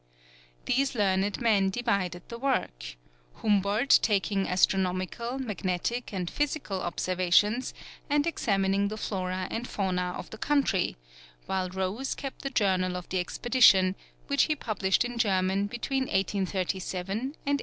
These learned men divided the work, Humboldt taking astronomical, magnetic, and physical observations, and examining the flora and fauna of the country, while Rose kept the journal of the expedition, which he published in German between 1837 and 1842.